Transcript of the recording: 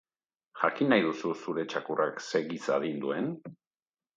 Jakin nahi duzu zure txakurrak ze giza adin duen?